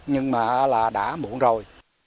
nhưng mà là đã muộn rồi